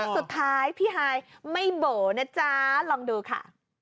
สุดท้ายพี่ฮายไม่โบ๋นะจ๊ะลองดูค่ะ